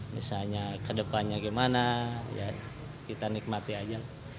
misalnya kedepannya gimana ya kita nikmati aja